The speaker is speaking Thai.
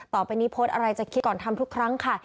ต่อไปนี้โพสต์อะไรจะคิดก่อนทำทุกครั้งค่ะ